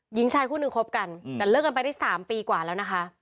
หญิงชายคู่หนึ่งคบกันแต่เลิกกันไปได้๓ปีกว่าแล้วนะคะ